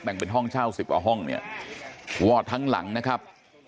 เป็นห้องเช่าสิบกว่าห้องเนี่ยวอดทั้งหลังนะครับ